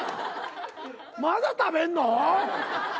まだ食べんの？